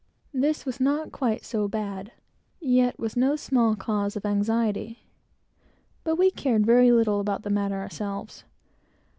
This was not quite so bad, yet was no small cause of anxiety. But we cared very little about the matter ourselves.